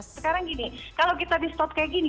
sekarang gini kalau kita di stop kayak gini